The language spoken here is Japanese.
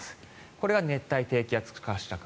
これが熱帯低気圧化した雲。